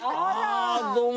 どうも。